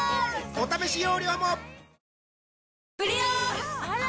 お試し容量もあら！